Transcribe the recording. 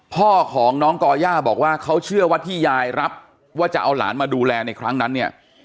พ่อของน้องก่อย่าบอกว่าเขาเชื่อว่าที่ยายรับว่าจะเอาหลานมาดูแลในครั้งนั้นเนี่ย